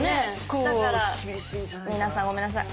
だから皆さんごめんなさい。